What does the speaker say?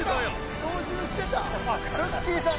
操縦してたん？